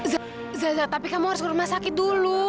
za za za tapi kamu harus ke rumah sakit dulu